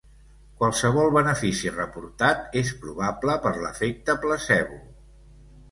Qualsevol benefici reportat és probable per l'efecte placebo.